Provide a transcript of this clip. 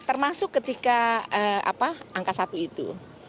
termasuk ketika angka satu itu